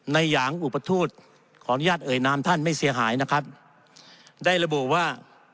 หยางอุปทูตขออนุญาตเอ่ยนามท่านไม่เสียหายนะครับได้ระบุว่า